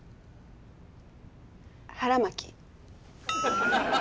腹巻き。